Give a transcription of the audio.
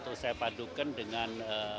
terus saya padukan dengan